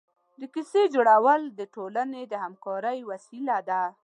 د کیسې جوړول د ټولنې د همکارۍ وسیله ده.